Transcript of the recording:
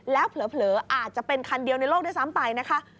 แล้วเผลออาจจะเป็นคันเดียวในโลกด้วยซ้ำไปนะคะ